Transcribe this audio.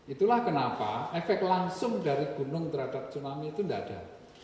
itulah kenapa efek langsung dari gunung terhadap tsunami itu tidak ada